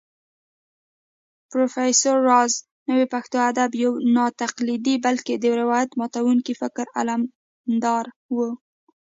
پروفېسر راز نوې پښتو ادب يو ناتقليدي بلکې د روايت ماتونکي فکر علمبردار و